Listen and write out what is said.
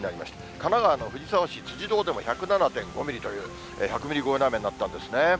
神奈川の藤沢市辻堂でも１０７．５ミリという１００ミリ超えの雨になったんですね。